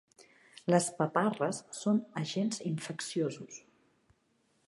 Les paparres són agents infecciosos.